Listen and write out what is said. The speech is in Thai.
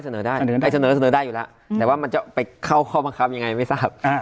เสนอได้เสนอได้ถ้าแบบยังไงไม่ทราบ